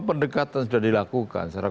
pendekatan sudah dilakukan secara